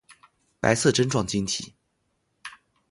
白色针状晶体。